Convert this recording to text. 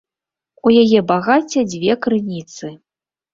У яе багацця дзве крыніцы.